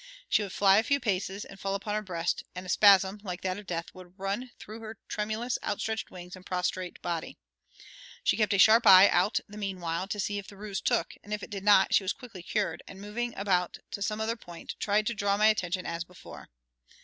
She would fly a few paces and fall upon her breast, and a spasm, like that of death, would run through her tremulous outstretched wings and prostrate body. She kept a sharp eye out the meanwhile to see if the ruse took, and if it did not, she was quickly cured, and moving about to some other point tried to draw my attention as before.